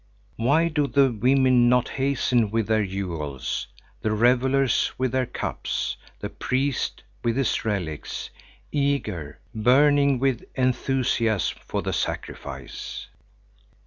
Why do the women not hasten with their jewels; the revellers with their cups, the priest with his relics, eager, burning with enthusiasm for the sacrifice?